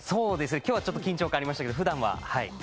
今日はちょっと緊張感ありましたけどふだんは、はい。